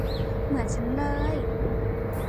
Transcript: เหมือนฉันเลย !